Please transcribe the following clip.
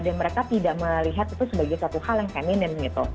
dan mereka tidak melihat itu sebagai satu hal yang feminine